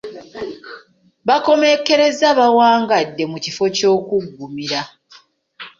Baakomekkereza bawangadde mu kifo ky’okuggumira.